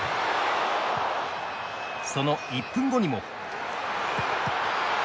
その１分後にも。